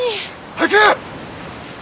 早く！